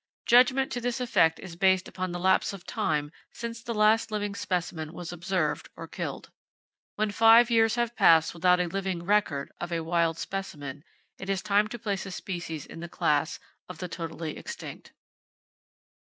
Judgment to this effect is based upon the lapse of time since the last living specimen was observed or killed. When five years have passed without a living "record" of a wild specimen, it is time to place a species in the class of the totally extinct.